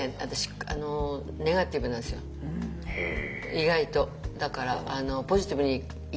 意外と。